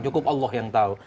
cukup allah yang tahu